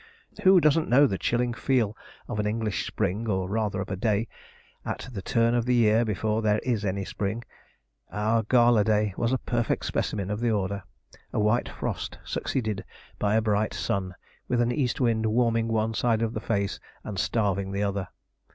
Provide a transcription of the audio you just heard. Who doesn't know the chilling feel of an English spring, or rather of a day at the turn of the year before there is any spring? Our gala day was a perfect specimen of the order a white frost succeeded by a bright sun, with an east wind, warming one side of the face and starving the other.